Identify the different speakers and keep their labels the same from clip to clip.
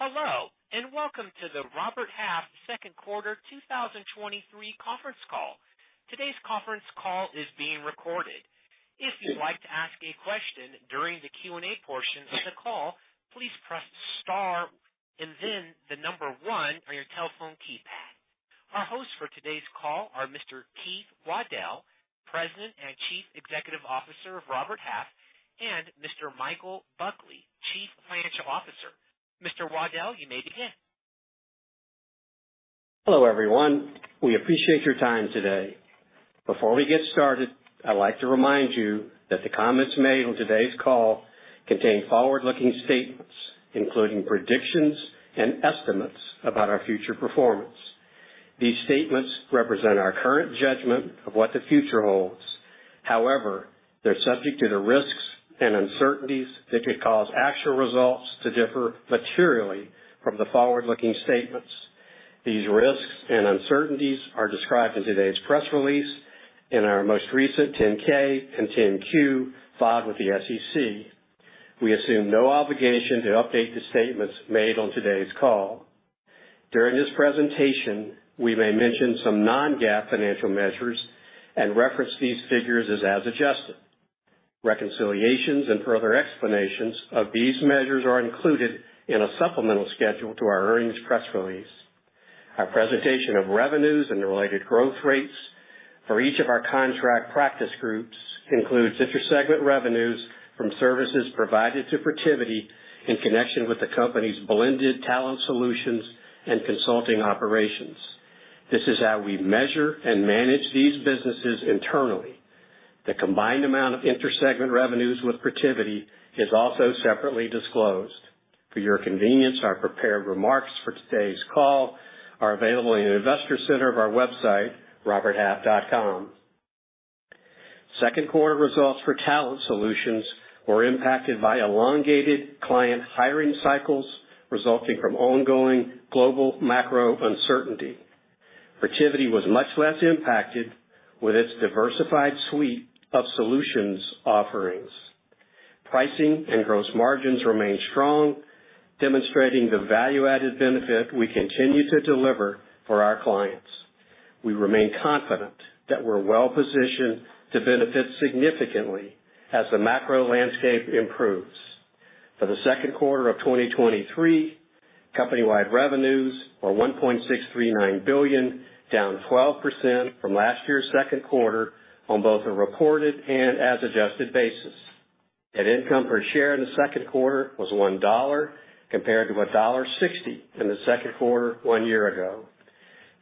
Speaker 1: Hello, welcome to the Robert Half second quarter 2023 conference call. Today's conference call is being recorded. If you'd like to ask a question during the Q&A portion of the call, please press star and then the number one on your telephone keypad. Our hosts for today's call are Mr. Keith Waddell, President and Chief Executive Officer of Robert Half, and Mr. Michael Buckley, Chief Financial Officer. Mr. Waddell, you may begin.
Speaker 2: Hello, everyone. We appreciate your time today. Before we get started, I'd like to remind you that the comments made on today's call contain forward-looking statements, including predictions and estimates about our future performance. These statements represent our current judgment of what the future holds. However, they're subject to the risks and uncertainties that could cause actual results to differ materially from the forward-looking statements. These risks and uncertainties are described in today's press release. In our most recent 10-K and 10-Q filed with the SEC. We assume no obligation to update the statements made on today's call. During this presentation, we may mention some non-GAAP financial measures and reference these figures is as adjusted. Reconciliations and further explanations of these measures are included in a supplemental schedule to our earnings press release. Our presentation of revenues and related growth rates for each of our contract practice groups includes intersegment revenues from services provided to Protiviti in connection with the company's blended Talent Solutions and consulting operations. This is how we measure and manage these businesses internally. The combined amount of intersegment revenues with Protiviti is also separately disclosed. For your convenience, our prepared remarks for today's call are available in the Investor Center of our website, roberthalf.com. Second quarter results for Talent Solutions were impacted by elongated client hiring cycles resulting from ongoing global macro uncertainty. Protiviti was much less impacted with its diversified suite of solutions offerings. Pricing and gross margins remain strong, demonstrating the value-added benefit we continue to deliver for our clients. We remain confident that we're well positioned to benefit significantly as the macro landscape improves. For the second quarter of 2023, company-wide revenues were $1.639 billion, down 12% from last year's second quarter on both a reported and as adjusted basis. Net income per share in the second quarter was $1.00, compared to $1.60 in the second quarter one year ago.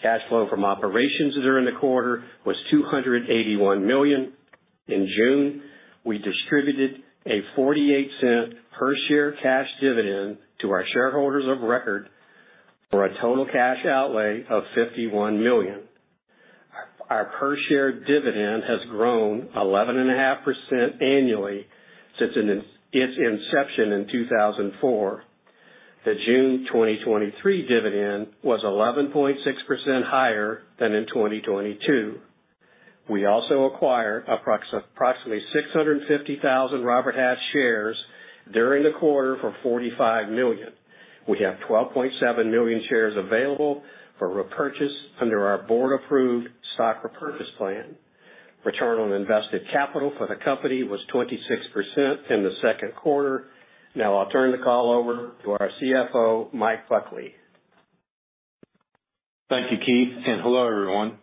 Speaker 2: Cash flow from operations during the quarter was $281 million. In June, we distributed a $0.48 per share cash dividend to our shareholders of record for a total cash outlay of $51 million. Our per share dividend has grown 11.5% annually since its inception in 2004. The June 2023 dividend was 11.6% higher than in 2022. We also acquired approximately 650,000 Robert Half shares during the quarter for $45 million. We have 12.7 million shares available for repurchase under our board-approved stock repurchase plan. Return on invested capital for the company was 26% in the second quarter. I'll turn the call over to our CFO, Mike Buckley.
Speaker 3: Thank you, Keith, and hello, everyone.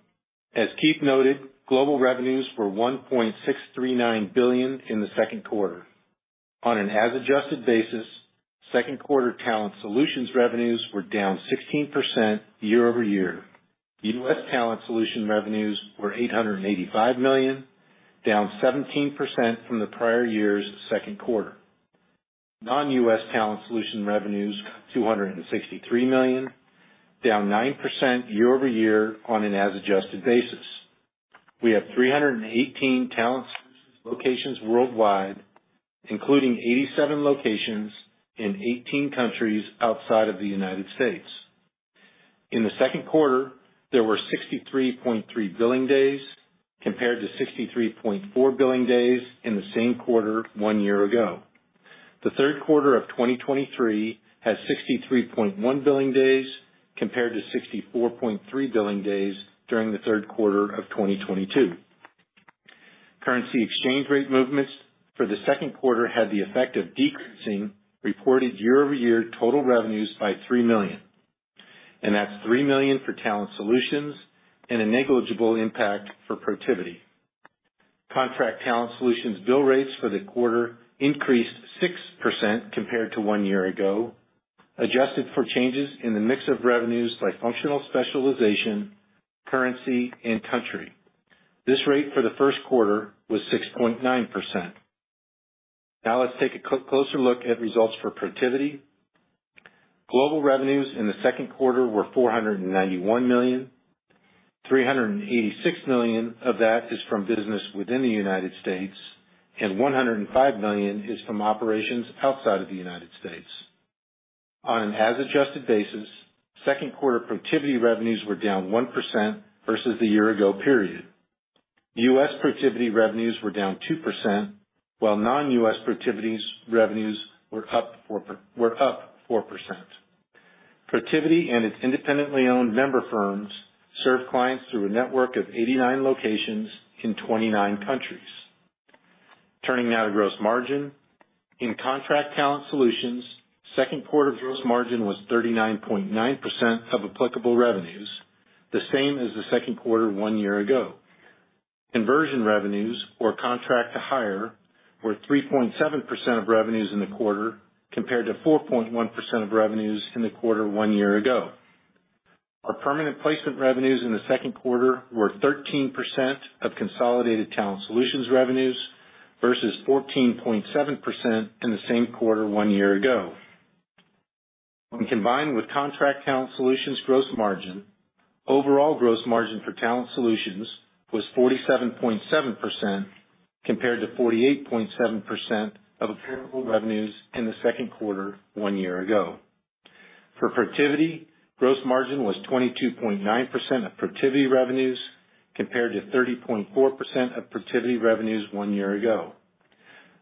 Speaker 3: As Keith noted, global revenues were $1.639 billion in the second quarter. On an as adjusted basis, second quarter Talent Solutions revenues were down 16% year-over-year. U.S. Talent Solutions revenues were $885 million, down 17% from the prior year's second quarter. Non-U.S. Talent Solutions revenues, $263 million, down 9% year-over-year on an as adjusted basis. We have 318 Talent Solutions locations worldwide, including 87 locations in 18 countries outside of the United States. In the second quarter, there were 63.3 billing days, compared to 63.4 billing days in the same quarter one year ago. The third quarter of 2023 has 63.1 billing days, compared to 64.3 billing days during the third quarter of 2022. Currency exchange rate movements for the second quarter had the effect of decreasing reported year-over-year total revenues by $3 million, and that's $3 million forfor Talent Solutions and a negligible impact for Protiviti. Contract Talent Solutions bill rates for the quarter increased 6% compared to one year ago, adjusted for changes in the mix of revenues by functional specialization, currency, and country. This rate for the first quarter was 6.9%. Now let's take a closer look at results for Protiviti. Global revenues in the second quarter were $491 million. $386 million of that is from business within the United States, and $105 million is from operations outside of the United States. On an as adjusted basis, second quarter Protiviti revenues were down 1% versus the year-ago period. U.S. Protiviti revenues were down 2%, while Non-U.S. Protiviti's revenues were up 4%. Protiviti and its independently owned member firms serve clients through a network of 89 locations in 29 countries. Turning now to gross margin. In Contract Talent Solutions, second quarter gross margin was 39.9% of applicable revenues, the same as the second quarter one year ago. Conversion revenues or contract to hire were 3.7% of revenues in the quarter, compared to 4.1% of revenues in the quarter one year ago. Our permanent placement revenues in the second quarter were 13% of consolidated Talent Solutions revenues, versus 14.7% in the same quarter one year ago. When combined with Contract Talent Solutions gross margin, overall gross margin for Talent Solutions was 47.7%, compared to 48.7% of applicable revenues in the second quarter one year ago. For Protiviti, gross margin was 22.9% of Protiviti revenues, compared to 30.4% of Protiviti revenues one year ago.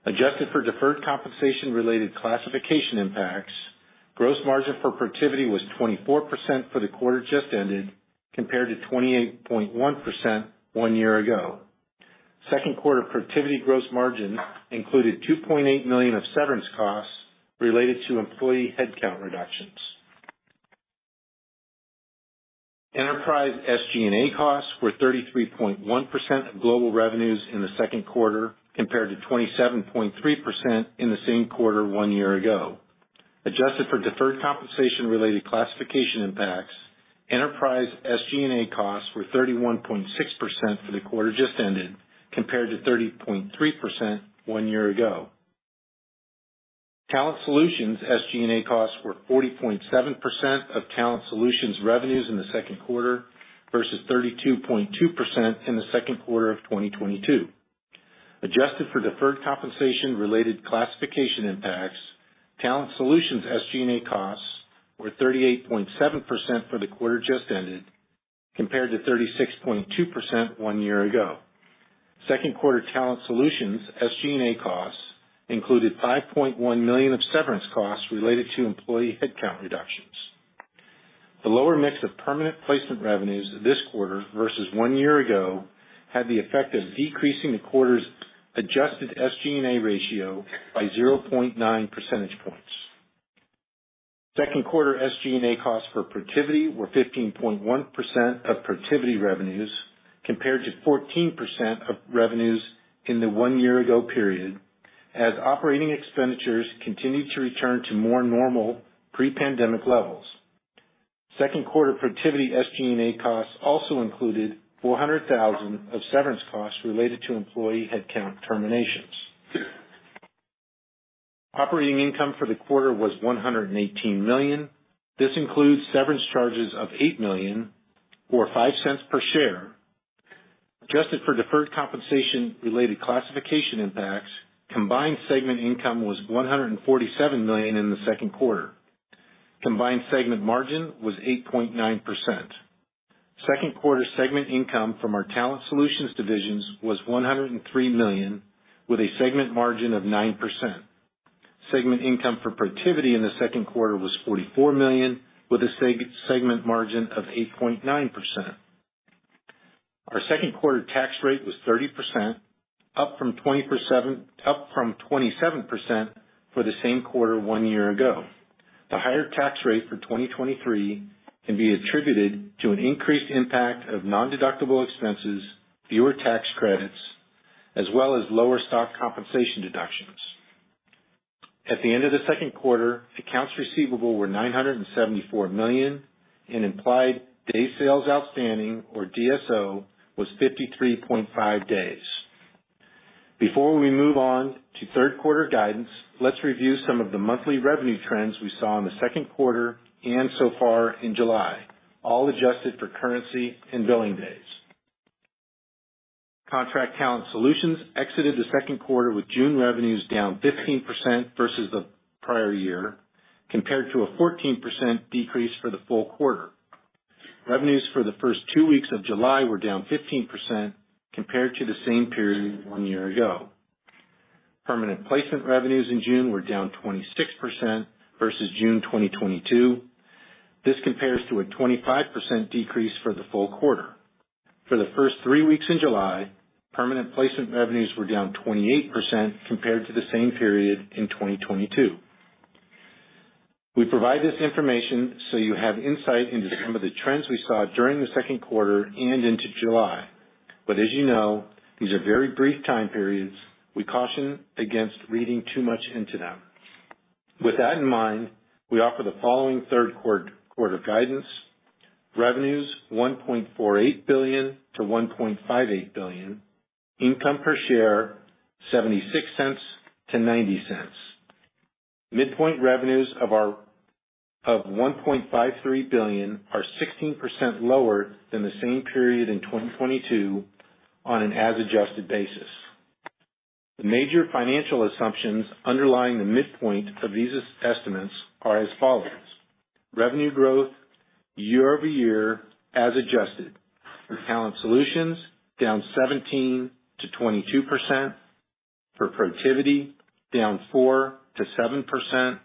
Speaker 3: Adjusted for deferred compensation-related classification impacts, gross margin for Protiviti was 24% for the quarter just ended, compared to 28.1% one year ago. Second quarter Protiviti gross margin included $2.8 million of severance costs related to employee headcount reductions. Enterprise SG&A costs were 33.1% of global revenues in the second quarter, compared to 27.3% in the same quarter one year ago. Adjusted for deferred compensation-related classification impacts, Enterprise SG&A costs were 31.6% for the quarter just ended, compared to 30.3% one year ago. Talent Solutions SG&A costs were 40.7% of Talent Solutions revenues in the second quarter, versus 32.2% in the second quarter of 2022. Adjusted for deferred compensation-related classification impacts Talent Solutions SG&A costs were 38.7% for the quarter just ended, compared to 36.2% one year ago. Second quarter Talent Solutions SG&A costs included $5.1 million of severance costs related to employee headcount reductions. The lower mix of permanent placement revenues this quarter versus one year ago, had the effect of decreasing the quarter's adjusted SG&A ratio by 0.9 percentage points. Second quarter SG&A costs for Protiviti were 15.1% of Protiviti revenues, compared to 14% of revenues in the one year ago period, as operating expenditures continued to return to more normal pre-pandemic levels. Second quarter Protiviti SG&A costs also included $400,000 of severance costs related to employee headcount terminations. Operating income for the quarter was $118 million. This includes severance charges of $8 million, or $0.05 per share. Adjusted for deferred compensation-related classification impacts, combined segment income was $147 million in the second quarter. Combined segment margin was 8.9%. Second quarter segment income from our Talent Solutions divisions was $103 million, with a segment margin of 9%. Segment income for Protiviti in the second quarter was $44 million, with a segment margin of 8.9%. Our second quarter tax rate was 30%, up from 27% for the same quarter one year ago. The higher tax rate for 2023 can be attributed to an increased impact of nondeductible expenses, fewer tax credits, as well as lower stock compensation deductions. At the end of the second quarter, accounts receivable were $974 million, and implied days sales outstanding, or DSO, was 53.5 days. Before we move on to third quarter guidance, let's review some of the monthly revenue trends we saw in the second quarter and so far in July, all adjusted for currency and billing days. Contract Talent Solutions exited the second quarter with June revenues down 15% versus the prior year, compared to a 14% decrease for the full quarter. Revenues for the first two weeks of July were down 15% compared to the same period one year ago. Permanent placement revenues in June were down 26% versus June 2022. This compares to a 25% decrease for the full quarter. For the first three weeks in July, permanent placement revenues were down 28% compared to the same period in 2022. As you know, these are very brief time periods. We caution against reading too much into them. With that in mind, we offer the following third quarter guidance. Revenues: $1.48 billion-$1.58 billion. Income per share: $0.76-$0.90. Midpoint revenues of $1.53 billion are 16% lower than the same period in 2022 on an as adjusted basis. The major financial assumptions underlying the midpoint of these estimates are as follows: Revenue growth year-over-year, as adjusted. Talent Solutions, down 17%-22%, for Protiviti, down 4%-7%.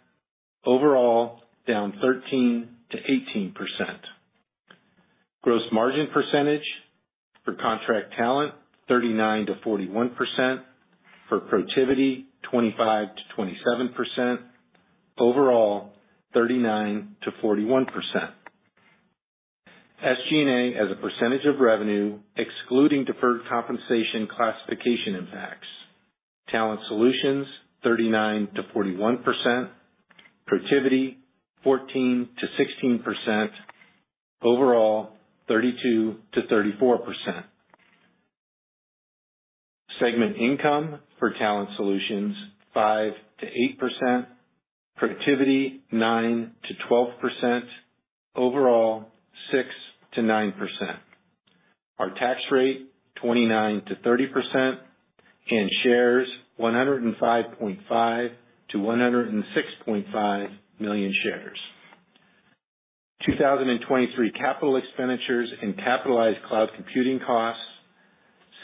Speaker 3: Overall, down 13%-18%. Gross margin percentage for Contract Talent, 39%-41%. For Protiviti, 25%-27%. Overall, 39%-41%. SG&A, as a percentage of revenue, excluding deferred compensation classification effects. Talent Solutions, 39%-41%. Protiviti, 14%-16%. Overall, 32%-34%. Segment income for Talent Solutions, 5%-8%. Protiviti, 9%-12%. Overall, 6%-9%. Our tax rate, 29%-30%, and shares 105.5 million-106.5 million shares. 2023 capital expenditures and capitalized cloud computing costs,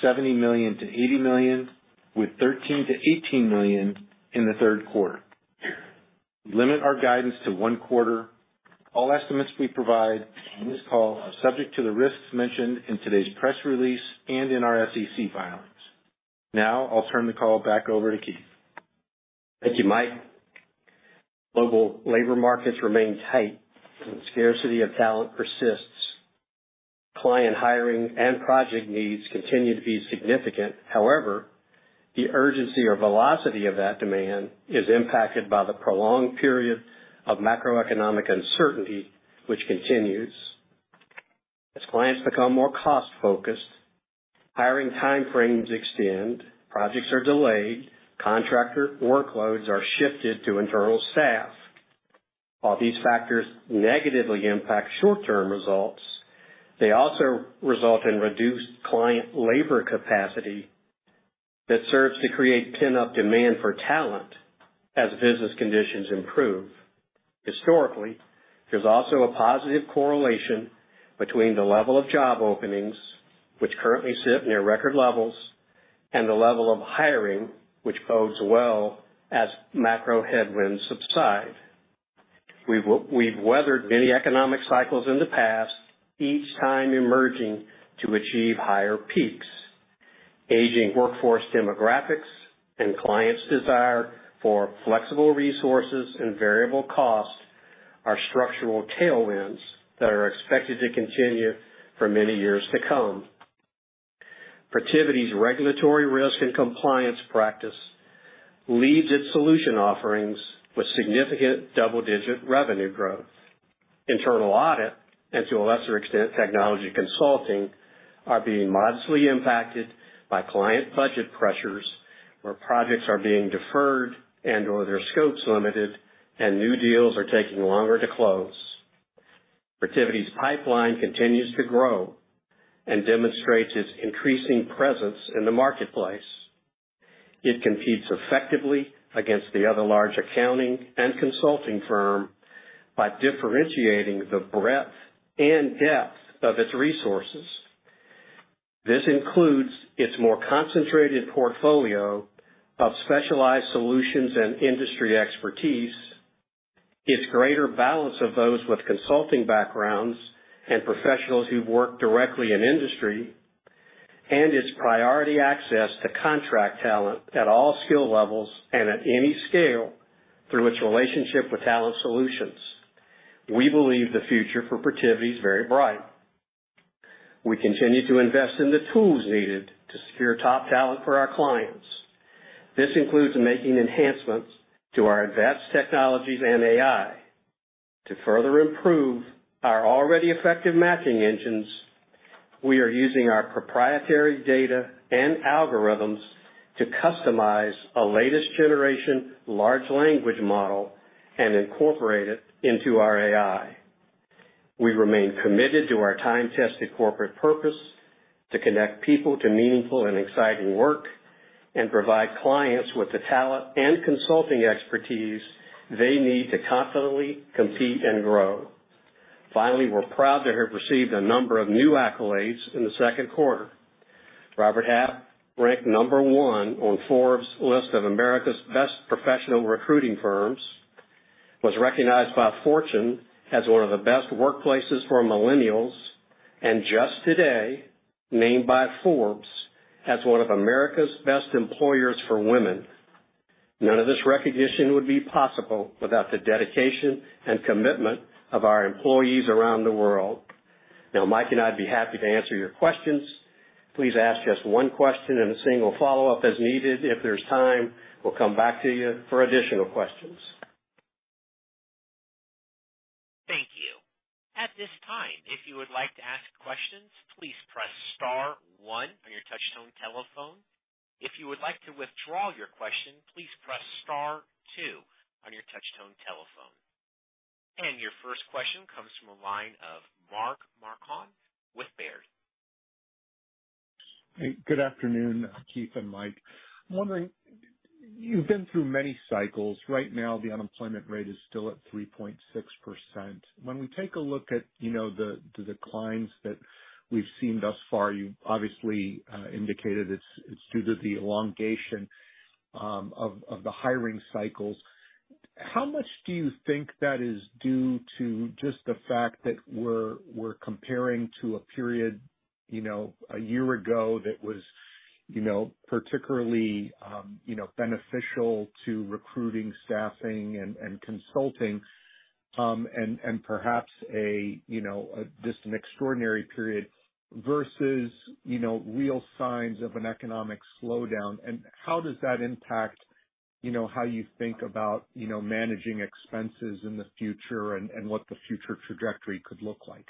Speaker 3: $70 million-$80 million, with $13 million-$18 million in the third quarter. We limit our guidance to one quarter. All estimates we provide on this call are subject to the risks mentioned in today's press release and in our SEC filings. Now I'll turn the call back over to Keith.
Speaker 2: Thank you, Mike. Global labor markets remain tight. Scarcity of talent persists. Client hiring and project needs continue to be significant. However, the urgency or velocity of that demand is impacted by the prolonged period of macroeconomic uncertainty, which continues. As clients become more cost-focused, hiring time frames extend, projects are delayed, contractor workloads are shifted to internal staff. While these factors negatively impact short-term results, they also result in reduced client labor capacity that serves to create pent-up demand for talent as business conditions improve. Historically, there's also a positive correlation between the level of job openings, which currently sit near record levels, and the level of hiring, which bodes well as macro headwinds subside. We've weathered many economic cycles in the past, each time emerging to achieve higher peaks. Aging workforce demographics and clients' desire for flexible resources and variable costs are structural tailwinds that are expected to continue for many years to come. Protiviti's regulatory risk and compliance practice leads its solution offerings with significant double-digit revenue growth. Internal audit, and to a lesser extent, technology consulting, are being modestly impacted by client budget pressures, where projects are being deferred and/or their scope's limited and new deals are taking longer to close. Protiviti's pipeline continues to grow and demonstrates its increasing presence in the marketplace. It competes effectively against the other large accounting and consulting firm by differentiating the breadth and depth of its resources. This includes its more concentrated portfolio of specialized solutions and industry expertise, its greater balance of those with consulting backgrounds and professionals who work directly in industry, and its priority access to contract talent at all skill levels and at any scale through its relationship for Talent Solutions. we believe the future for Protiviti is very bright. We continue to invest in the tools needed to secure top talent for our clients. This includes making enhancements to our advanced technologies and AI. To further improve our already effective matching engines, we are using our proprietary data and algorithms to customize a latest generation large language model and incorporate it into our AI. We remain committed to our time-tested corporate purpose to connect people to meaningful and exciting work and provide clients with the talent and consulting expertise they need to confidently compete and grow. Finally, we're proud to have received a number of new accolades in the second quarter. Robert Half ranked number one on Forbes' list of America's best professional recruiting firms, was recognized by Fortune as one of the best workplaces for millennials, and just today, named by Forbes as one of America's best employers for women. None of this recognition would be possible without the dedication and commitment of our employees around the world. Now, Mike and I'd be happy to answer your questions. Please ask just one question and a single follow-up as needed. If there's time, we'll come back to you for additional questions.
Speaker 1: Thank you. At this time, if you would like to ask questions, please press star one on your touch-tone telephone. If you would like to withdraw your question, please press star two on your touch-tone telephone. Your first question comes from a line of Mark Marcon with Baird.
Speaker 4: Hey, good afternoon, Keith and Mike. I'm wondering, you've been through many cycles. Right now, the unemployment rate is still at 3.6%. When we take a look at, you know, the declines that we've seen thus far, you've obviously indicated it's due to the elongation of the hiring cycles. How much do you think that is due to just the fact that we're comparing to a period, you know, a year ago that was particularly beneficial to recruiting, staffing, and consulting, and perhaps a just an extraordinary period versus, you know, real signs of an economic slowdown? How does that impact, you know, how you think about, you know, managing expenses in the future and what the future trajectory could look like?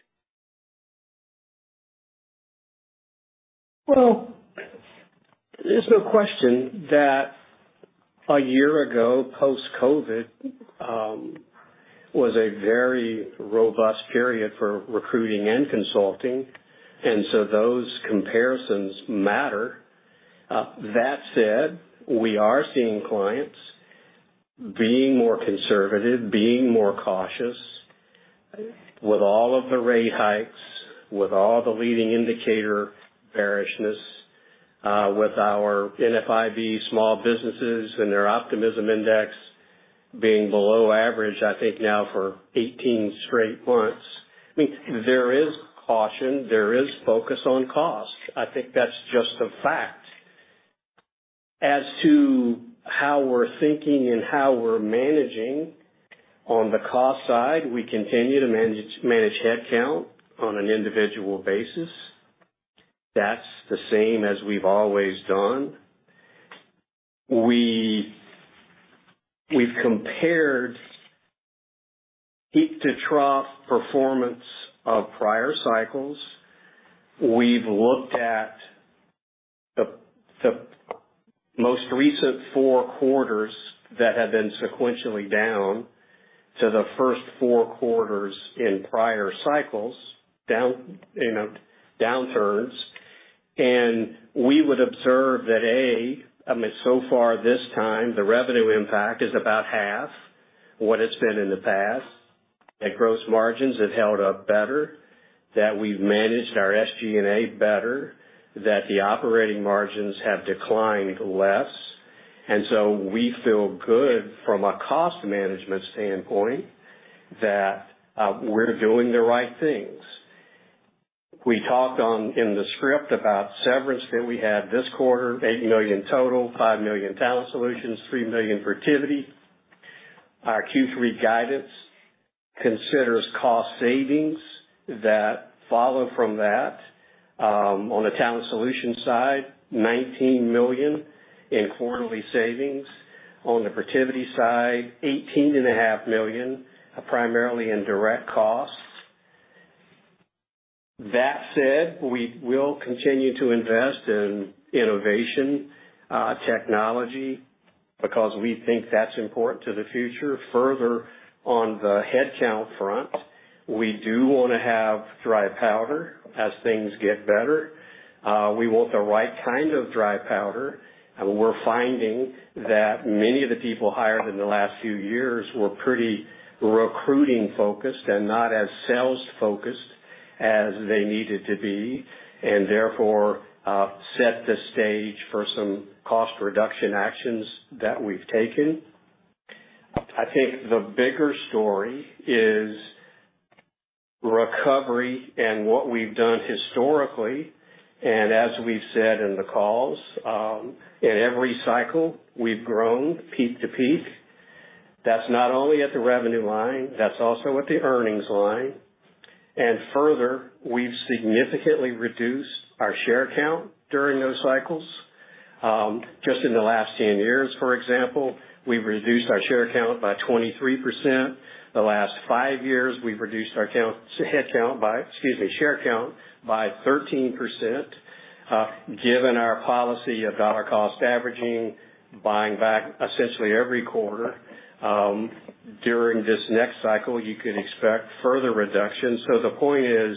Speaker 2: There's no question that a year ago, post-COVID, was a very robust period for recruiting and consulting, and so those comparisons matter. That said, we are seeing clients being more conservative, being more cautious with all of the rate hikes, with all the leading indicator bearishness, with our NFIB small businesses and their optimism index being below average, I think now for 18 straight months. I mean, there is caution, there is focus on cost. I think that's just a fact. As to how we're thinking and how we're managing, on the cost side, we continue to manage headcount on an individual basis. That's the same as we've always done. We've compared peak-to-trough performance of prior cycles. We've looked at the most recent four quarters that have been sequentially down to the first four quarters in prior cycles, down, you know, downturns. We would observe that, I mean, so far this time, the revenue impact is about half what it's been in the past, that gross margins have held up better, that we've managed our SG&A better, that the operating margins have declined less, we feel good from a cost management standpoint that we're doing the right things. We talked in the script about severance that we had this quarter, $8 million total, $5 million Talent Solutions, $3 million Protiviti. Our Q3 guidance considers cost savings that follow from that. On the Talent Solutions side, $19 million in quarterly savings. On the Protiviti side, $18.5 million, primarily in direct costs. That said, we will continue to invest in innovation, technology, because we think that's important to the future. Further, on the headcount front, we do want to have dry powder as things get better. We want the right kind of dry powder, and we're finding that many of the people hired in the last few years were pretty recruiting-focused and not as sales-focused as they needed to be, and therefore, set the stage for some cost reduction actions that we've taken. I think the bigger story is recovery and what we've done historically, and as we've said in the calls, in every cycle, we've grown peak to peak. That's not only at the revenue line, that's also at the earnings line. Further, we've significantly reduced our share count during those cycles. Just in the last 10 years, for example, we've reduced our share count by 23%. The last five years, we've reduced our share count by 13%. Given our policy of dollar cost averaging, buying back essentially every quarter, during this next cycle, you could expect further reductions. The point is,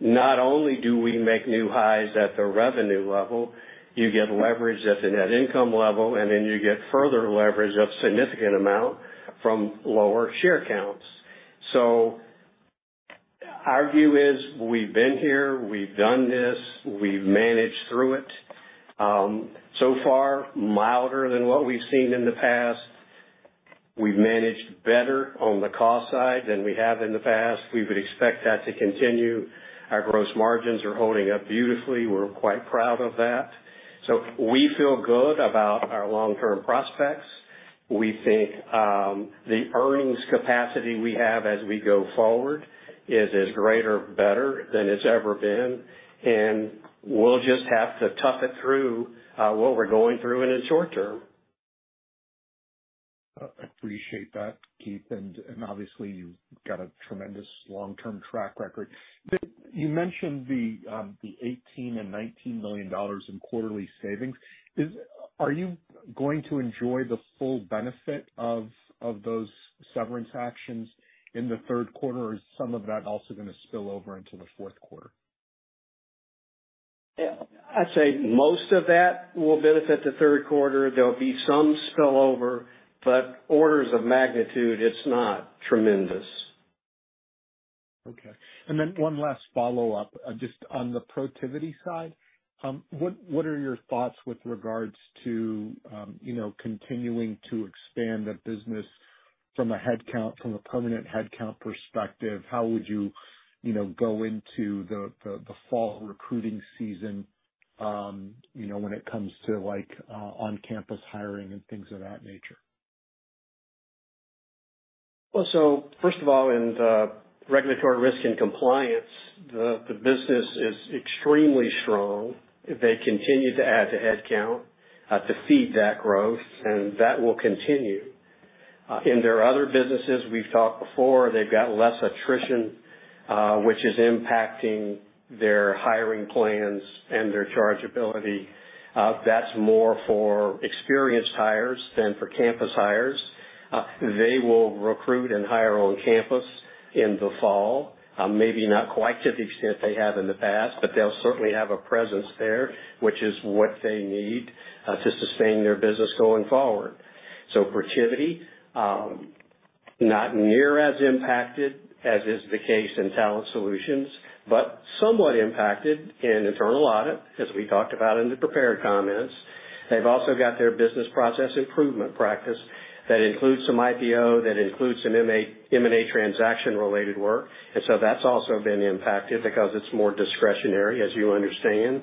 Speaker 2: not only do we make new highs at the revenue level, you get leverage at the Net income level, you get further leverage of significant amount from lower share counts. Our view is we've been here, we've done this, we've managed through it. So far, milder than what we've seen in the past. We've managed better on the cost side than we have in the past. We would expect that to continue. Our gross margins are holding up beautifully. We're quite proud of that. We feel good about our long-term prospects. We think, the earnings capacity we have as we go forward is as great or better than it's ever been, and we'll just have to tough it through, what we're going through in the short term.
Speaker 4: I appreciate that, Keith, and obviously, you've got a tremendous long-term track record. You mentioned the $18 million and $19 million in quarterly savings. Are you going to enjoy the full benefit of those severance actions in the third quarter, or is some of that also going to spill over into the fourth quarter?
Speaker 2: Yeah, I'd say most of that will benefit the third quarter. There'll be some spillover, but orders of magnitude, it's not tremendous.
Speaker 4: Okay. One last follow-up. Just on the Protiviti side, what are your thoughts with regards to, you know, continuing to expand the business from a permanent headcount perspective? How would you know, go into the fall recruiting season, you know, when it comes to, like, on-campus hiring and things of that nature?
Speaker 2: Well, first of all, in the regulatory risk and compliance, the business is extremely strong. They continue to add to headcount to feed that growth, and that will continue. In their other businesses, we've talked before, they've got less attrition, which is impacting their hiring plans and their chargeability. That's more for experienced hires than for campus hires. They will recruit and hire on campus in the fall. Maybe not quite to the extent they have in the past, but they'll certainly have a presence there, which is what they need to sustain their business going forward. Protiviti, not near as impacted as is the case in Talent Solutions, but somewhat impacted in internal audit, as we talked about in the prepared comments. They've also got their business process improvement practice. That includes some IPO, that includes some M&A transaction-related work. That's also been impacted because it's more discretionary, as you understand.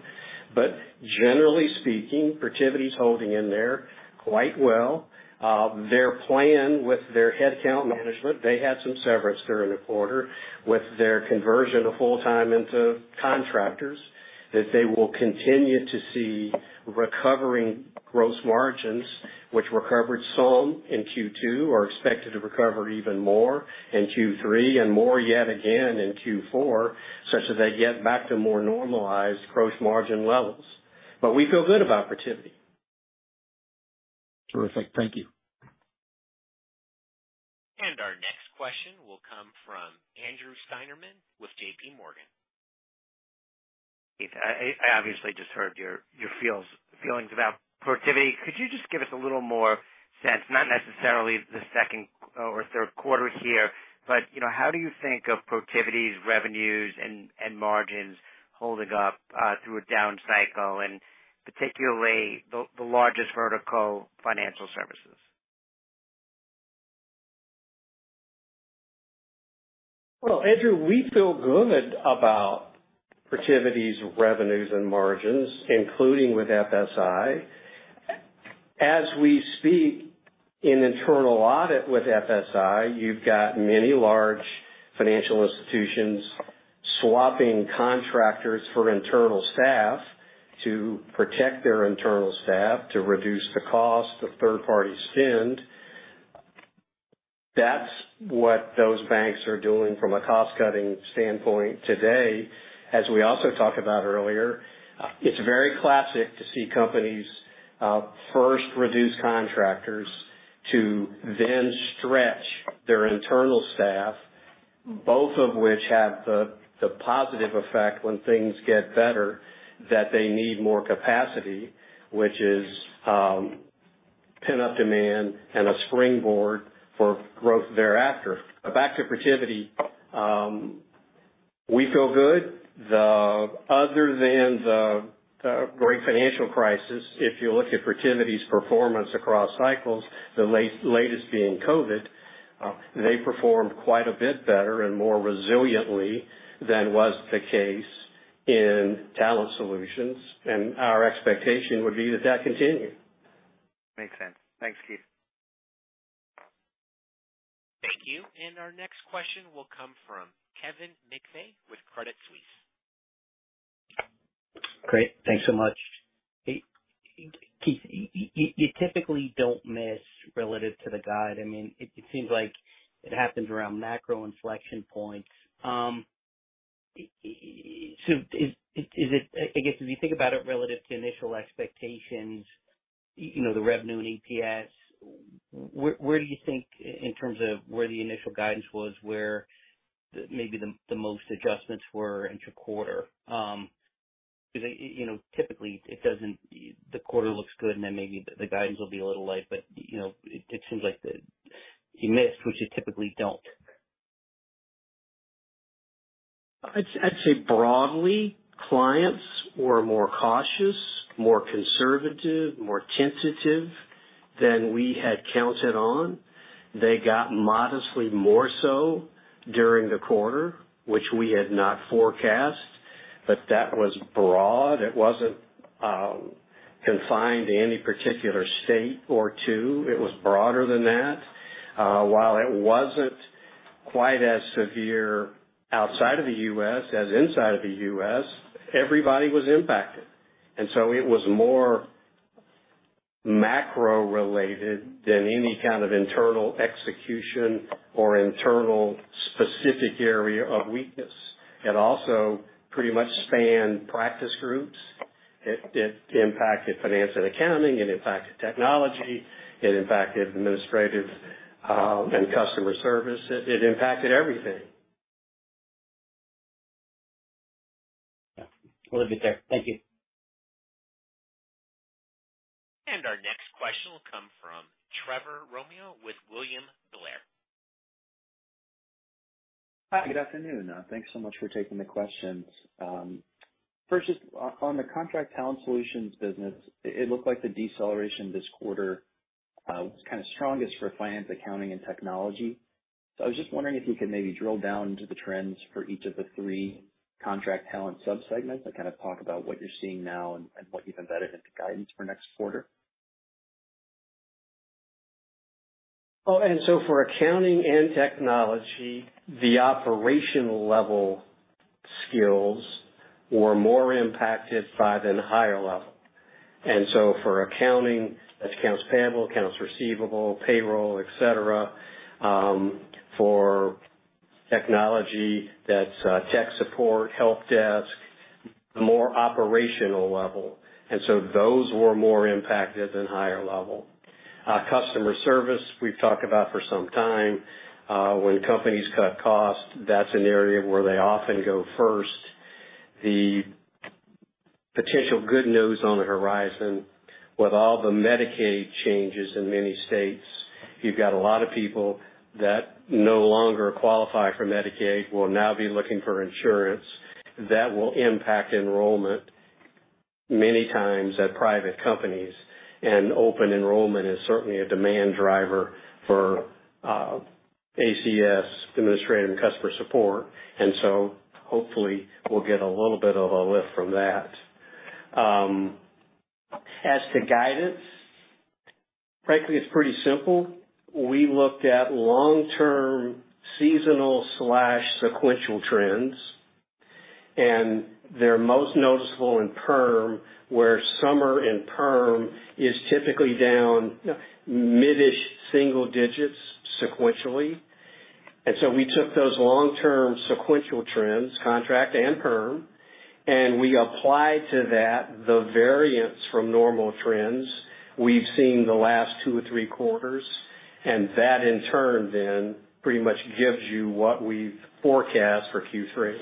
Speaker 2: Generally speaking, Protiviti is holding in there quite well. Their plan with their headcount management, they had some severance during the quarter with their conversion to full-time into contractors, that they will continue to see recovering gross margins, which recovered some in Q2, are expected to recover even more in Q3 and more yet again in Q4, such as they get back to more normalized gross margin levels. We feel good about Protiviti.
Speaker 4: Terrific. Thank you.
Speaker 1: Our next question will come from Andrew Steinerman with JPMorgan.
Speaker 5: Keith, I obviously just heard your feelings about Protiviti. Could you just give us a little more sense, not necessarily the second or third quarter here, but, you know, how do you think of Protiviti's revenues and margins holding up through a down cycle, and particularly the largest vertical financial services?
Speaker 2: Andrew, we feel good about Protiviti's revenues and margins, including with FSI. As we speak, in internal audit with FSI, you've got many large financial institutions swapping contractors for internal staff to protect their internal staff, to reduce the cost of third-party spend. That's what those banks are doing from a cost-cutting standpoint today. As we also talked about earlier, it's very classic to see companies, first reduce contractors to then stretch their internal staff, both of which have the positive effect when things get better, that they need more capacity, which is pent-up demand and a springboard for growth thereafter. Back to Protiviti, we feel good. Other than the great financial crisis, if you look at Protiviti's performance across cycles, the latest being COVID, they performed quite a bit better and more resiliently than was the case Talent Solutions, and our expectation would be that continues.
Speaker 5: Makes sense. Thanks, Keith.
Speaker 1: Thank you. Our next question will come from Kevin McVeigh with Credit Suisse.
Speaker 6: Great. Thanks so much. Keith, you typically don't miss relative to the guide. I mean, it seems like it happens around macro inflection points. Is it, I guess, as you think about it relative to initial expectations, you know, the revenue and EPS, where do you think in terms of where the initial guidance was, where the, maybe the most adjustments were into quarter? Because, you know, typically it doesn't, the quarter looks good, and then maybe the guidance will be a little light. You know, it seems like the you missed, which you typically don't.
Speaker 2: I'd say broadly, clients were more cautious, more conservative, more tentative than we had counted on. They got modestly more so during the quarter, which we had not forecast, but that was broad. It wasn't confined to any particular state or two. It was broader than that. While it wasn't quite as severe outside of the U.S. as inside of the U.S., everybody was impacted, and so it was more macro related than any kind of internal execution or internal specific area of weakness. It also pretty much spanned practice groups. It impacted finance and accounting, it impacted technology, it impacted administrative, and customer service. It impacted everything.
Speaker 6: Yeah, we'll leave it there. Thank you.
Speaker 1: Our next question will come from Trevor Romeo with William Blair.
Speaker 7: Hi, good afternoon. Thanks so much for taking the questions. First, just on the Contract Talent Solutions business, it looked like the deceleration this quarter was kind of strongest for finance, accounting, and technology. I was just wondering if you could maybe drill down into the trends for each of the three-contract talent subsegments and kind of talk about what you're seeing now and what you've embedded into guidance for next quarter?
Speaker 2: For accounting and technology, the operational-level skills were more impacted by than higher level. For accounting, that's accounts payable, accounts receivable, payroll, et cetera. For technology, that's tech support, help desk, the more operational level. Those were more impacted than higher level. Customer service, we've talked about for some time. When companies cut costs, that's an area where they often go first. The potential good news on the horizon, with all the Medicaid changes in many states, you've got a lot of people that no longer qualify for Medicaid, will now be looking for insurance. That will impact enrollment many times at private companies, and open enrollment is certainly a demand driver for ACS administrative and customer support, hopefully we'll get a little bit of a lift from that. As to guidance, frankly, it's pretty simple. We looked at long-term seasonal slash sequential trends, and they're most noticeable in perm, where summer and perm is typically down mid-ish single digits sequentially. We took those long-term sequential trends, contract and perm, and we applied to that, the variance from normal trends we've seen the last two or three quarters, and that in turn then pretty much gives you what we've forecast for Q3.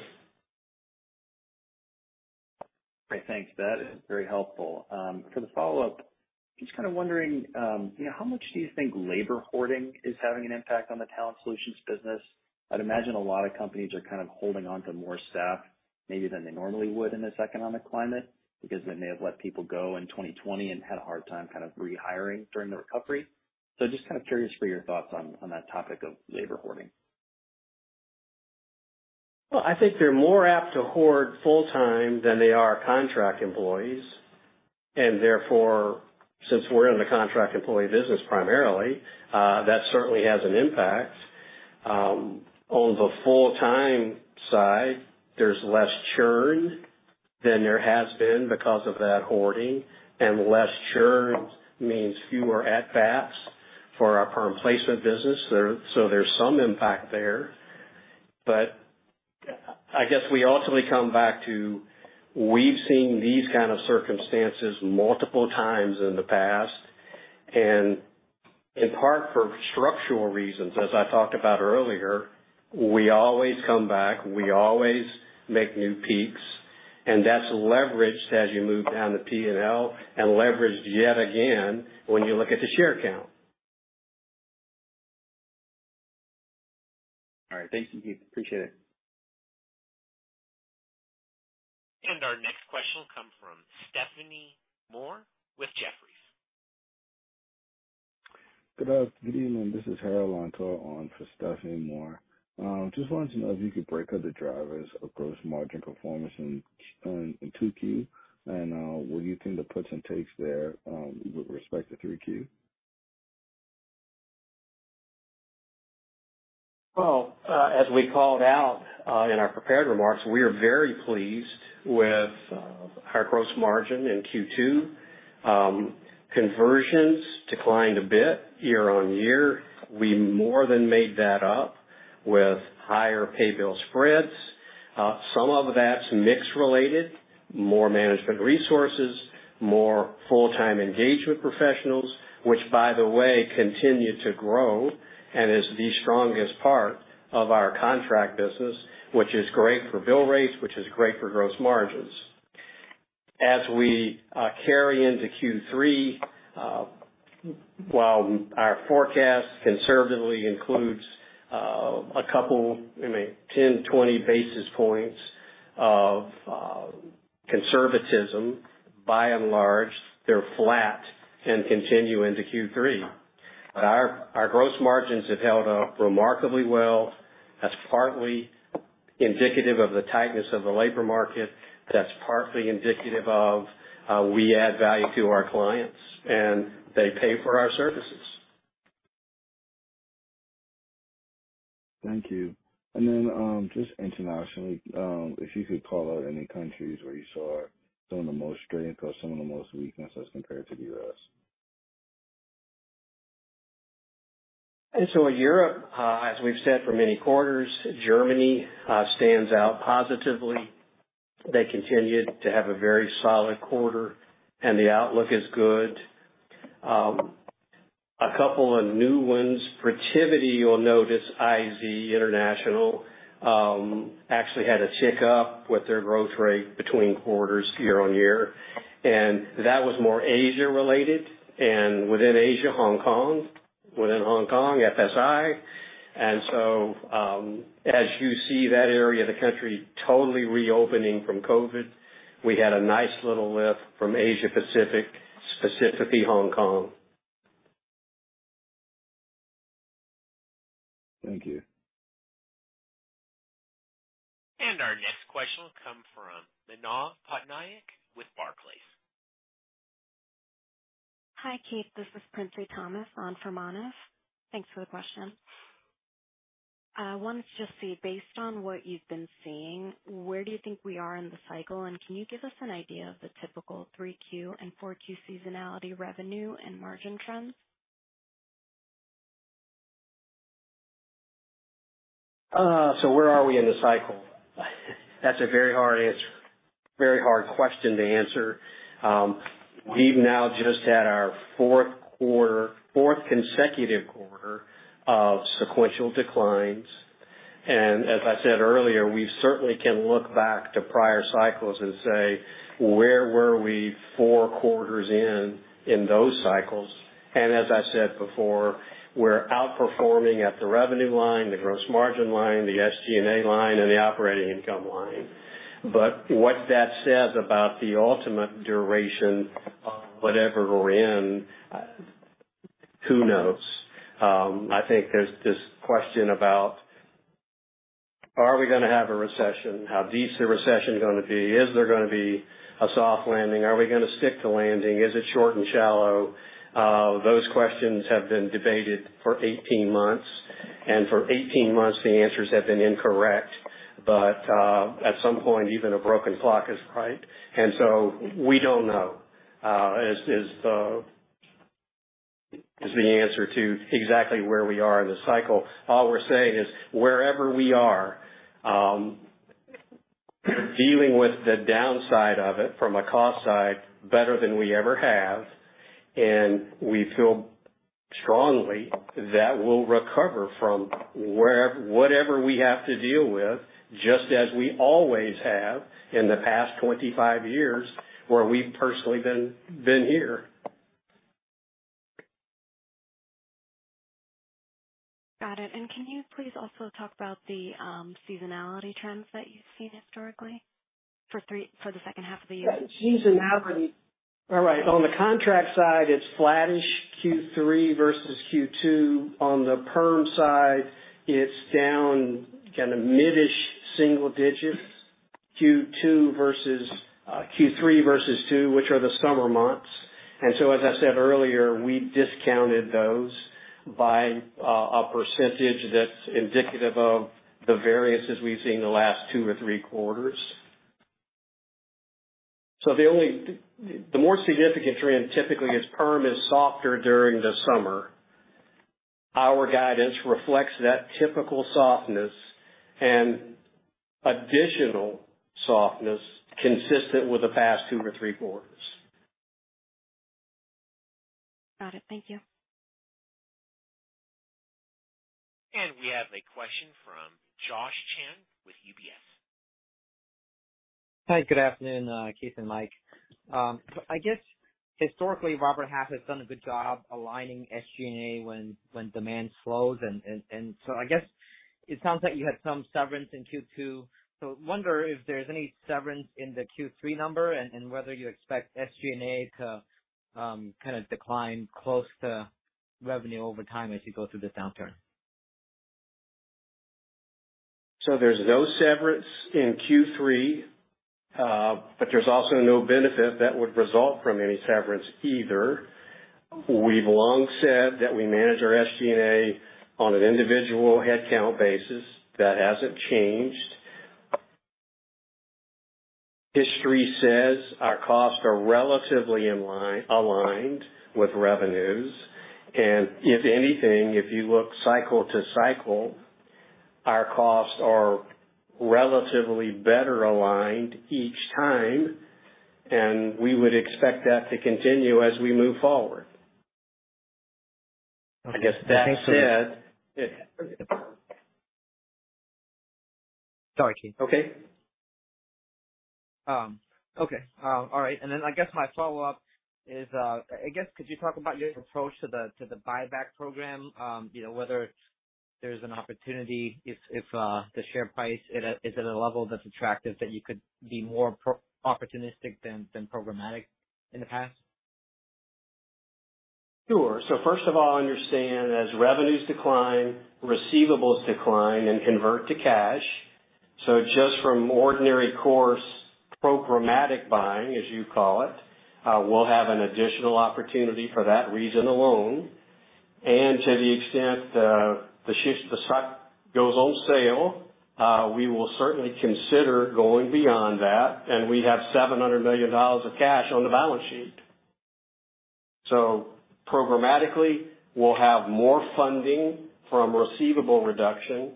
Speaker 7: Great. Thanks. That is very helpful. For the follow-up, just kind of wondering, you know, how much do you think labor hoarding is having an impact on the Talent Solutions business? I'd imagine a lot of companies are kind of holding on to more staff maybe than they normally would in this economic climate, because they may have let people go in 2020 and had a hard time kind of rehiring during the recovery. Just kind of curious for your thoughts on that topic of labor hoarding.
Speaker 2: Well, I think they're more apt to hoard full-time than they are contract employees. Since we're in the contract employee business, primarily, that certainly has an impact. On the full-time side, there's less churn than there has been because of that hoarding, and less churn means fewer add backs for our perm placement business. There's some impact there. We ultimately come back to we've seen these kind of circumstances multiple times in the past, and in part for structural reasons. As I talked about earlier, we always come back, we always make new peaks, and that's leveraged as you move down the PNL and leveraged yet again, when you look at the share count.
Speaker 7: All right. Thank you, Keith. Appreciate it.
Speaker 1: Our next question will come from Stephanie Moore with Jefferies.
Speaker 8: Good afternoon. This is Harold Antor on for Stephanie Moore. Just wanted to know if you could break out the drivers of gross margin performance in 2Q, what you think the puts and takes there with respect to 3Q?
Speaker 2: Well, as we called out in our prepared remarks, we are very pleased with higher gross margin in Q2. Conversions declined a bit year-on-year. We more than made that up with higher pay bill spreads. Some of that's mix related, more management resources, more full-time engagement professionals, which, by the way, continue to grow and is the strongest part of our contract business, which is great for bill rates, which is great for gross margins. As we carry into Q3, while our forecast conservatively includes a couple, I mean, 10, 20 basis points of conservatism, by and large, they're flat and continue into Q3. Our gross margins have held up remarkably well. That's partly indicative of the tightness of the labor market. That's partly indicative of, we add value to our clients, and they pay for our services.
Speaker 8: Thank you. Just internationally, if you could call out any countries where you saw some of the most strength or some of the most weaknesses compared to the U.S.?
Speaker 2: Europe, as we've said for many quarters, Germany stands out positively. They continued to have a very solid quarter, and the outlook is good. A couple of new ones, Protiviti, you'll notice, IZ International actually had a hiccup with their growth rate between quarters year-on-year, and that was more Asia related and within Asia, Hong Kong, within Hong Kong, FSI. As you see that area of the country totally reopening from COVID, we had a nice little lift from Asia Pacific, specifically Hong Kong.
Speaker 4: Thank you.
Speaker 1: Our next question will come from Manav Patnaik with Barclays.
Speaker 9: Hi, Keith. This is Princy Thomas on for Manav. Thanks for the question. Wanted to just see, based on what you've been seeing, where do you think we are in the cycle? Can you give us an idea of the typical 3Q and 4Q seasonality, revenue and margin trends?
Speaker 2: Where are we in the cycle? That's a very hard answer, very hard question to answer. We've now just had our fourth quarter, fourth consecutive quarter of sequential declines. As I said earlier, we certainly can look back to prior cycles and say, "Where were we four quarters in those cycles?" As I said before, we're outperforming at the revenue line, the gross margin line, the SG&A line, and the operating income line. What that says about the ultimate duration of whatever we're in, who knows? I think there's this question about are we going to have a recession? How deep is the recession going to be? Is there going to be a soft landing? Are we going to stick the landing? Is it short and shallow? Those questions have been debated for 18 months, and for 18 months the answers have been incorrect. At some point, even a broken clock is right. We don't know, is the answer to exactly where we are in the cycle. All we're saying is, wherever we are, we're dealing with the downside of it from a cost side better than we ever have, and we feel strongly that we'll recover from whatever we have to deal with, just as we always have in the past 25 years where we've personally been here.
Speaker 9: Got it. Can you please also talk about the seasonality trends that you've seen historically for the second half of the year?
Speaker 2: Yeah. Seasonality. All right. On the contract side, it's flattish, Q3 versus Q2. On the perm side, it's down kind of mid-ish, single digits, Q3 versus Q2, which are the summer months. As I said earlier, we discounted those by a percentage that's indicative of the variances we've seen the last two or three quarters. The more significant trend typically is perm is softer during the summer. Our guidance reflects that typical softness and additional softness consistent with the past two or three quarters.
Speaker 9: Got it. Thank you.
Speaker 1: We have a question from Josh Chan with UBS.
Speaker 10: Hi, good afternoon, Keith and Mike. I guess historically, Robert Half has done a good job aligning SG&A when demand slows. I guess it sounds like you had some severance in Q2. I wonder if there's any severance in the Q3 number and whether you expect SG&A to kind of decline close to revenue over time as you go through this downturn?
Speaker 2: There's no severance in Q3, but there's also no benefit that would result from any severance either. We've long said that we manage our SG&A on an individual headcount basis. That hasn't changed. History says our costs are relatively in line, aligned with revenues, and if anything, if you look cycle to cycle, our costs are relatively better aligned each time, and we would expect that to continue as we move forward.
Speaker 10: I guess-
Speaker 2: That said,
Speaker 10: Sorry, Keith.
Speaker 2: Okay.
Speaker 10: Okay. All right. I guess my follow-up is, I guess, could you talk about your approach to the buyback program? You know, whether there's an opportunity if the share price is at a level that's attractive, that you could be more opportunistic than programmatic in the past.
Speaker 2: Sure. First of all, understand, as revenues decline, receivables decline and convert to cash. Just from ordinary course, programmatic buying, as you call it, we'll have an additional opportunity for that reason alone. To the extent the stock goes on sale, we will certainly consider going beyond that. We have $700 million of cash on the balance sheet. Programmatically, we'll have more funding from receivable reduction,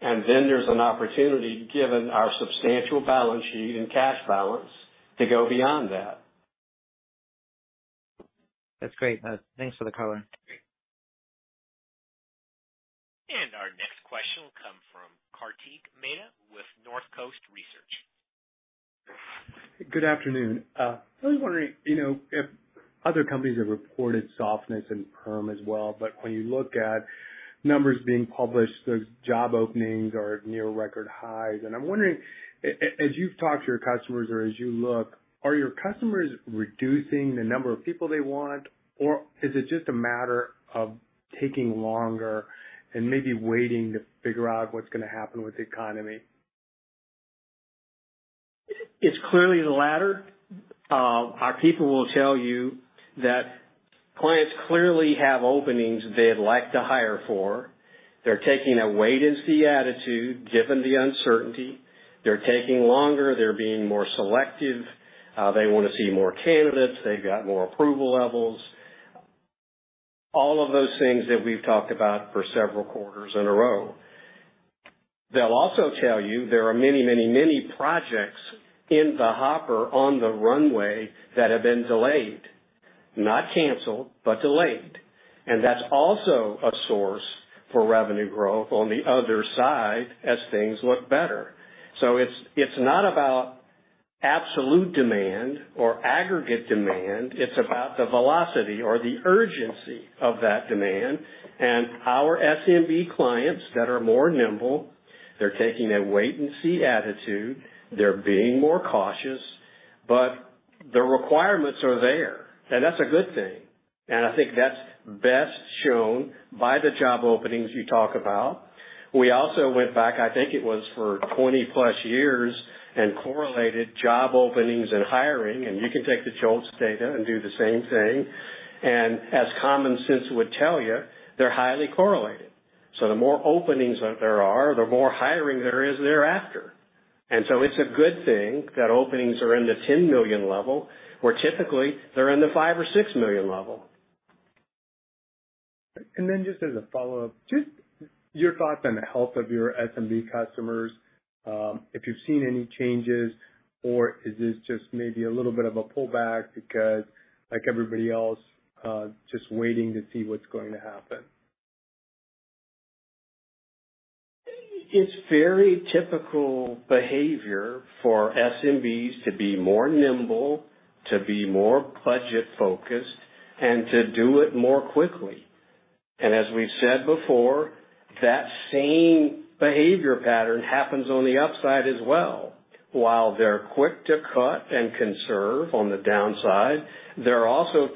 Speaker 2: there's an opportunity, given our substantial balance sheet and cash balance, to go beyond that.
Speaker 10: That's great. Thanks for the color.
Speaker 1: Our next question will come from Kartik Mehta with Northcoast Research.
Speaker 11: Good afternoon. I was wondering, you know, if other companies have reported softness in perm as well, but when you look at numbers being published, the job openings are near record highs. I'm wondering, as you've talked to your customers or as you look, are your customers reducing the number of people they want, or is it just a matter of taking longer and maybe waiting to figure out what's going to happen with the economy?
Speaker 2: It's clearly the latter. Our people will tell you that clients clearly have openings they'd like to hire for. They're taking a wait-and-see attitude, given the uncertainty. They're taking longer, they're being more selective. They want to see more candidates. They've got more approval levels. All of those things that we've talked about for several quarters in a row. They'll also tell you there are many, many, many projects in the hopper on the runway that have been delayed, not canceled, but delayed, and that's also a source for revenue growth on the other side as things look better. t's, it's not about absolute demand or aggregate demand, it's about the velocity or the urgency of that demand. Our SMB clients that are more nimble, they're taking a wait-and-see attitude. They're being more cautious, but the requirements are there, and that's a good thing. I think that's best shown by the job openings you talk about. We also went back, I think it was for 20+ years, and correlated job openings and hiring, and you can take the JOLTS data and do the same thing. As common sense would tell you, they're highly correlated. The more openings that there are, the more hiring there is thereafter. It's a good thing that openings are in the 10 million level, where typically they're in the five or six million level.
Speaker 11: Just as a follow-up, just your thoughts on the health of your SMB customers, if you've seen any changes, or is this just maybe a little bit of a pullback because like everybody else, just waiting to see what's going to happen?
Speaker 2: It's very typical behavior for SMBs to be more nimble, to be more budget focused, and to do it more quickly. As we've said before, that same behavior pattern happens on the upside as well. While they're quick to cut and conserve on the downside, they're also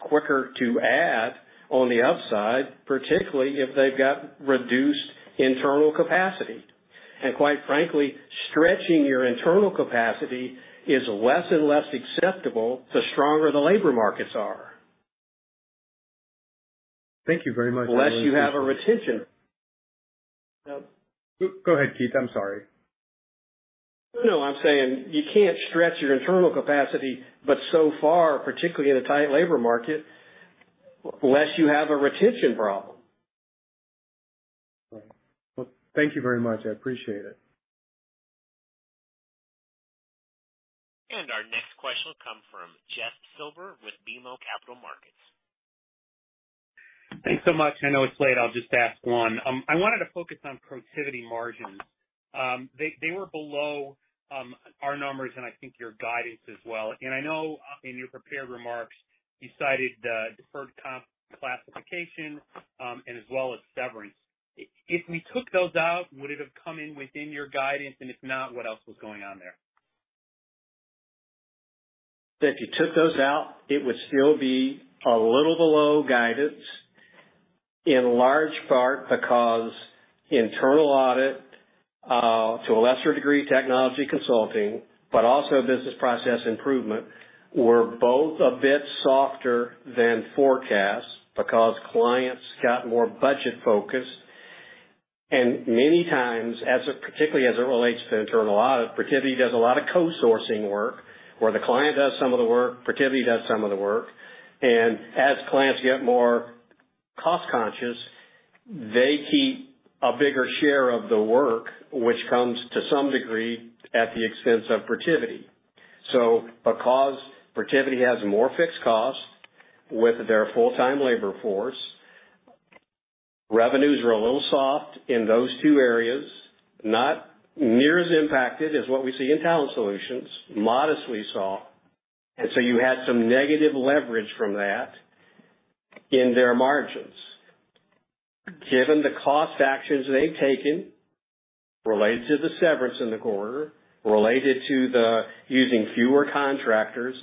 Speaker 2: quicker to add on the upside, particularly if they've got reduced internal capacity. Quite frankly, stretching your internal capacity is less and less acceptable, the stronger the labor markets are.
Speaker 11: Thank you very much.
Speaker 2: Unless you have a retention.
Speaker 11: Go ahead, Keith. I'm sorry.
Speaker 2: No, I'm saying you can't stretch your internal capacity, but so far, particularly in a tight labor market, unless you have a retention problem.
Speaker 4: Right. Well, thank you very much. I appreciate it.
Speaker 1: Our next question will come from Jeff Silber with BMO Capital Markets.
Speaker 12: Thanks so much. I know it's late. I'll just ask one. I wanted to focus on Protiviti margins. They were below our numbers and I think your guidance as well. I know in your prepared remarks, you cited the deferred comp classification and as well as severance. If we took those out, would it have come in within your guidance? If not, what else was going on there?
Speaker 2: If you took those out, it would still be a little below guidance, in large part because internal audit, to a lesser degree, technology consulting, but also business process improvement, were both a bit softer than forecast because clients got more budget focused. Many times, particularly as it relates to internal audit, Protiviti does a lot of co-sourcing work, where the client does some of the work, Protiviti does some of the work, and as clients get more cost conscious, they keep a bigger share of the work, which comes to some degree at the expense of Protiviti. Because Protiviti has more fixed costs with their full-time labor force, revenues are a little soft in those two areas, not near as impacted as what we see in Talent Solutions, modestly soft. You had some negative leverage from that in their margins. Given the cost actions they've taken related to the severance in the quarter, related to the using fewer contractors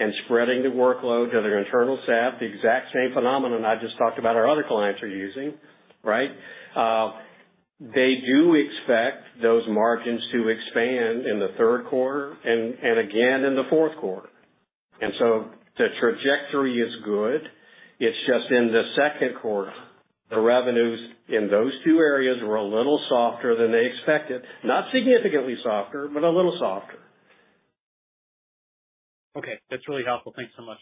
Speaker 2: and spreading the workload to their internal staff, the exact same phenomenon I just talked about our other clients are using, right? They do expect those margins to expand in the third quarter and again in the fourth quarter. The trajectory is good. It's just in the second quarter, the revenues in those two areas were a little softer than they expected. Not significantly softer, but a little softer.
Speaker 12: Okay, that's really helpful. Thanks so much.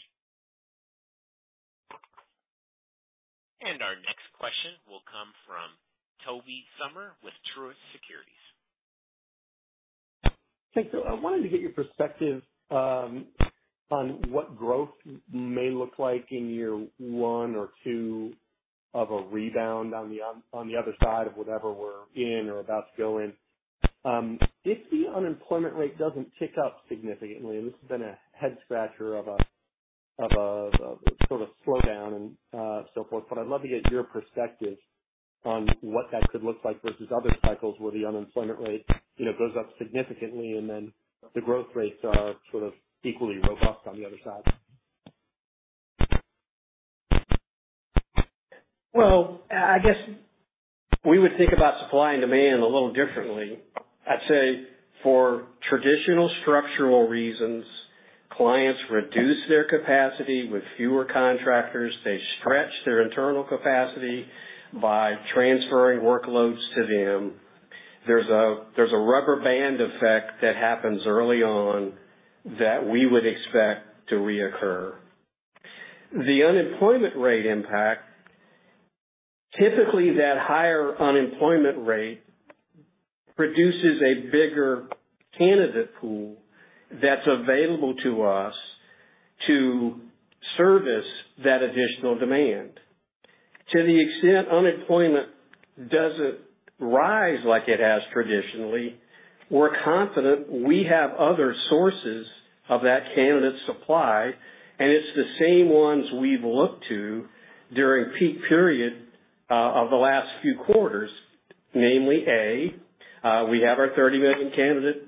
Speaker 1: Our next question will come from Tobey Sommer with Truist Securities.
Speaker 13: Thanks. I wanted to get your perspective on what growth may look like in year one or two of a rebound on the other side of whatever we're in or about to go in. If the unemployment rate doesn't tick up significantly, and this has been a head scratcher of a sort of slowdown and so forth. I'd love to get your perspective on what that could look like versus other cycles where the unemployment rate, you know, goes up significantly, and then the growth rates are sort of equally robust on the other side.
Speaker 2: Well, I guess we would think about supply and demand a little differently. I'd say for traditional structural reasons, clients reduce their capacity with fewer contractors. They stretch their internal capacity by transferring workloads to them. There's a rubber band effect that happens early on that we would expect to reoccur. The unemployment rate impact, typically, that higher unemployment rate produces a bigger candidate pool that's available to us to service that additional demand. To the extent unemployment doesn't rise like it has traditionally, we're confident we have other sources of that candidate supply, and it's the same ones we've looked to during peak period of the last few quarters, namely: A, we have our 30 million candidate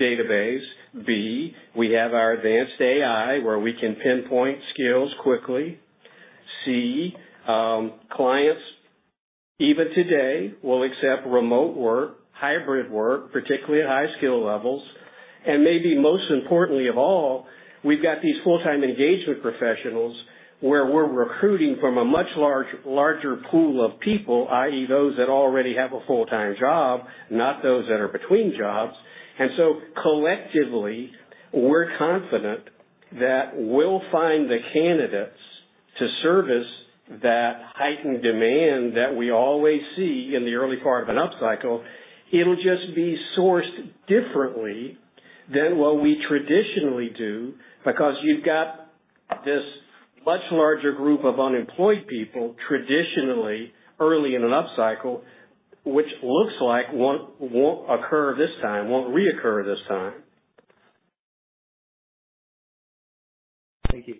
Speaker 2: database. B, we have our advanced AI, where we can pinpoint skills quickly. C, clients, even today, will accept remote work, hybrid work, particularly at high skill levels. Maybe most importantly of all, we've got these full-time engagement professionals, where we're recruiting from a much larger pool of people, i.e., those that already have a full-time job, not those that are between jobs. Collectively, we're confident that we'll find the candidates to service that heightened demand that we always see in the early part of an upcycle. It'll just be sourced differently than what we traditionally do, because you've got this much larger group of unemployed people traditionally early in an upcycle, which looks like won't occur this time, won't reoccur this time.
Speaker 13: Thank you.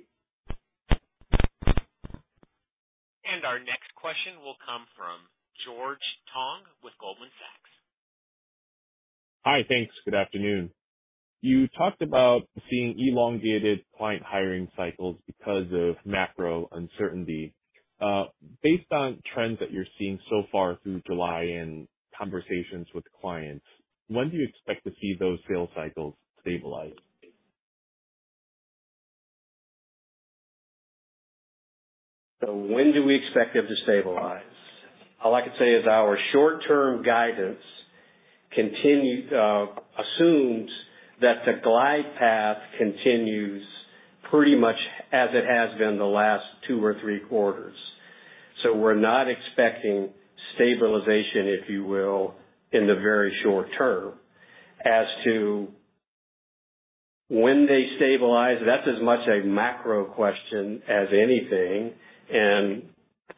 Speaker 1: Our next question will come from George Tong with Goldman Sachs.
Speaker 14: Hi. Thanks. Good afternoon. You talked about seeing elongated client hiring cycles because of macro uncertainty. Based on trends that you're seeing so far through July and conversations with clients, when do you expect to see those sales cycles stabilize?
Speaker 2: When do we expect them to stabilize? All I can say is our short-term guidance continue, assumes that the glide path continues pretty much as it has been the last two or three quarters. We're not expecting stabilization, if you will, in the very short term. As to when they stabilize, that's as much a macro question as anything, and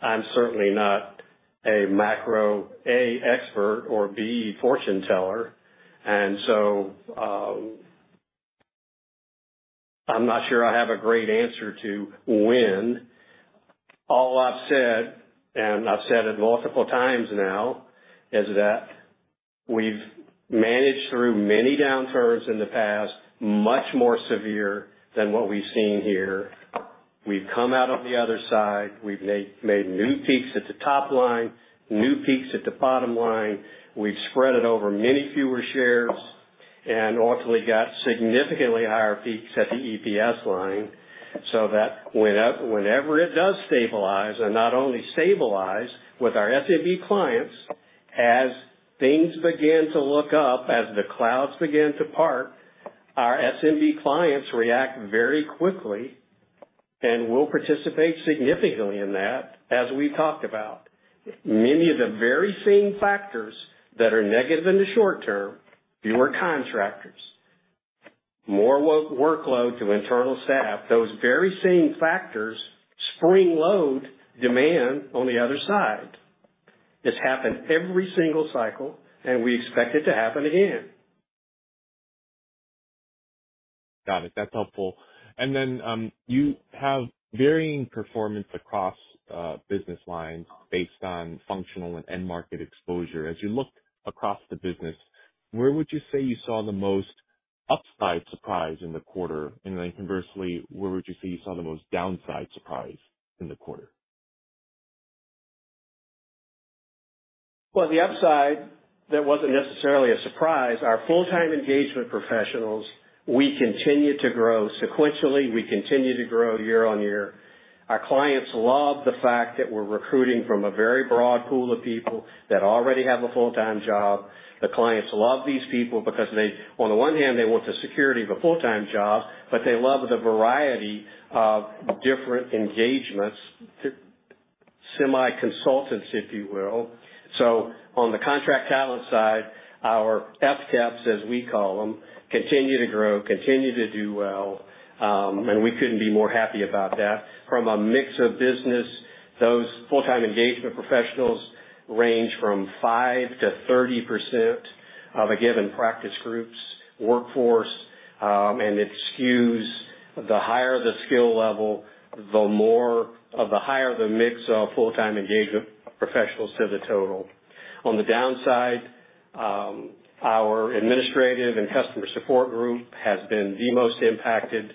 Speaker 2: I'm certainly not a macro, A, expert or, B, fortune teller. I'm not sure I have a great answer to when. All I've said, and I've said it multiple times now, is that we've managed through many downturns in the past, much more severe than what we've seen here. We've come out on the other side. We've made new peaks at the top line, new peaks at the bottom line. We've spread it over many fewer shares and ultimately got significantly higher peaks at the EPS line. Whenever it does stabilize and not only stabilize with our SMB clients, as things begin to look up, as the clouds begin to part, our SMB clients react very quickly, and we'll participate significantly in that, as we talked about. Many of the very same factors that are negative in the short term, fewer contractors, more workload to internal staff. Those very same factors spring load demand on the other side. It's happened every single cycle, and we expect it to happen again.
Speaker 14: Got it. That's helpful. You have varying performance across business lines based on functional and end market exposure. As you looked across the business, where would you say you saw the most upside surprise in the quarter? Conversely, where would you say you saw the most downside surprise in the quarter?
Speaker 2: The upside, that wasn't necessarily a surprise. Our full-time engagement professionals, we continue to grow sequentially. We continue to grow year on year. Our clients love the fact that we're recruiting from a very broad pool of people that already have a full-time job. The clients love these people because they, on the one hand, they want the security of a full-time job, but they love the variety of different engagements, semi consultants, if you will. On the contract talent side, our FTEPS, as we call them, continue to grow, continue to do well, and we couldn't be more happy about that. From a mix of business, those full-time engagement professionals range from 5% to 30% of a given practice group's workforce. And it skews the higher the skill level, the more, the higher the mix of full-time engagement professionals to the total. On the downside, our administrative and customer support group has been the most impacted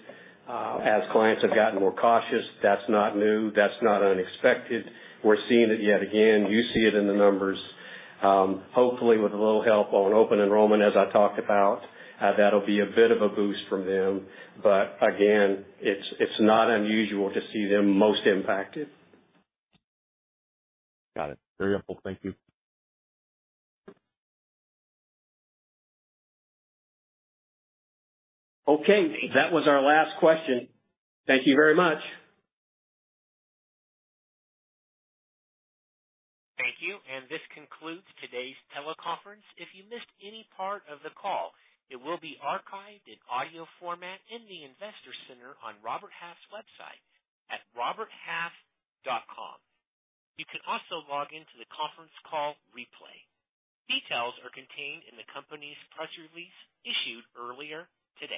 Speaker 2: as clients have gotten more cautious. That's not new. That's not unexpected. We're seeing it yet again. You see it in the numbers. Hopefully, with a little help on open enrollment, as I talked about, that'll be a bit of a boost from them. Again, it's not unusual to see them most impacted.
Speaker 14: Got it. Very helpful. Thank you.
Speaker 1: Okay, that was our last question. Thank you very much. Thank you, and this concludes today's teleconference. If you missed any part of the call, it will be archived in audio format in the Investor Center on Robert Half's website at roberthalf.com. You can also log in to the conference call replay. Details are contained in the company's press release issued earlier today.